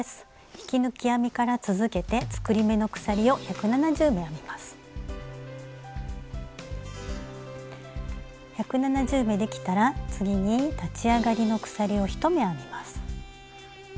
引き抜き編みから続けて１７０目できたら次に立ち上がりの鎖を１目編みます。